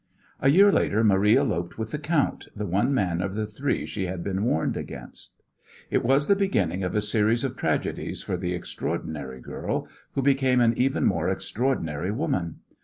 A year later Marie eloped with the count, the one man of the three she had been warned against. It was the beginning of a series of tragedies for the extraordinary girl, who became an even more extraordinary woman.